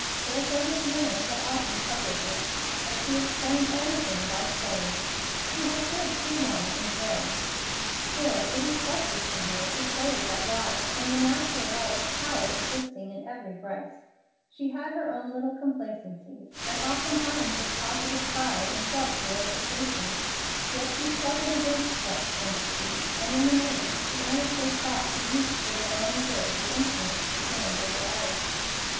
Therefore his manner had often puzzled her, but she explained everything by saying, "He has lived too long in Paris." Still it is justice to her to say that while, from the natural love of power existing in every breast, she had her own little complacencies, and often times of positive pride and self glorification, yet she struggled against such tendencies, and in the main she earnestly sought to use for their own good the influence she gained over others.